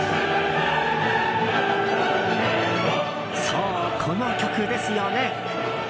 そう、この曲ですよね。